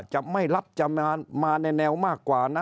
จะไม่รับจะมาในแนวมากกว่านะ